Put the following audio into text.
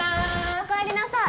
おかえりなさい。